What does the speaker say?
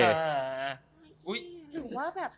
หรือว่าแบบ